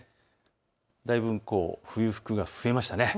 だいぶ冬服が増えましたね。